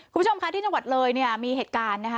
คุณผู้ชมค่ะที่จังหวัดเลยเนี่ยมีเหตุการณ์นะคะ